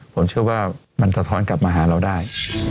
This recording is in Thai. ผมเชื่อว่ามันสะท้อนกลับมาหาเราได้